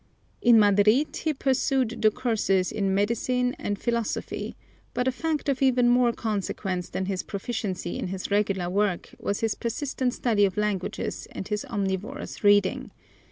In Madrid he pursued the courses in medicine and philosophy, but a fact of even more consequence than his proficiency in his regular work was his persistent study of languages and his omnivorous reading.